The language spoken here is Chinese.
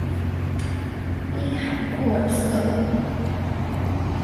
滨海库尔瑟勒。